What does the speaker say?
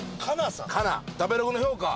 食べログの評価